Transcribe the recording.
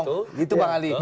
gitu bang ali